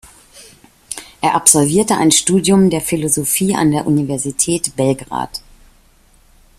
Er absolvierte ein Studium der Philosophie an der Universität Belgrad.